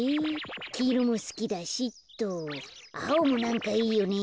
きいろもすきだしあおもなんかいいよね。